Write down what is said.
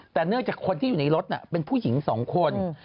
แต่เนื่องจากคนที่อยู่ในรถเป็นผู้หญิง๒คน